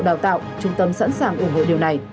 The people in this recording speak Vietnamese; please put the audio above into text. đào tạo trung tâm sẵn sàng ủng hộ điều này